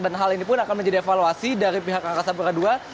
dan hal ini pun akan menjadi evaluasi dari pihak angkasa pura dua